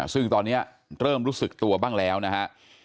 ซึ่งตอนนี้เริ่มรู้สึกตัวบ้างแล้วนะฮะ